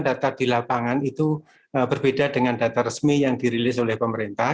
data di lapangan itu berbeda dengan data resmi yang dirilis oleh pemerintah